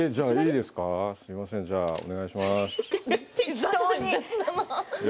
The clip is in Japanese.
すいませんじゃあお願いします。